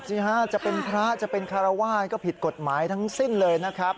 สิฮะจะเป็นพระจะเป็นคารวาสก็ผิดกฎหมายทั้งสิ้นเลยนะครับ